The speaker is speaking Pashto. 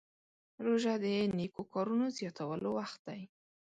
روژه د نیکو کارونو زیاتولو وخت دی.